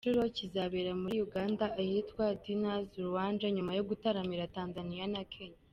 Iyi nshuro kizabera muri Uganda ahitwa Diners Lounge nyuma yo gutaramira Tanzania na Kenya.